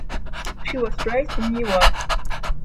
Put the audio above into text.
She was raised in Newark.